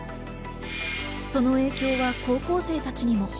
その影響は高校生たちにも。